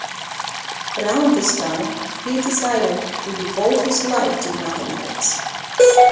Around this time, he decided to devote his life to mathematics.